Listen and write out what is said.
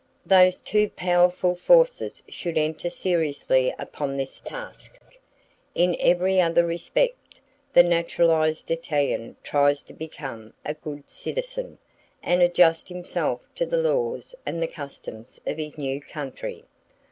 Those two powerful forces should enter seriously upon this task. In every other respect, the naturalized Italian tries to become a good [Page 104] citizen, and adjust himself to the laws and the customs of his new country.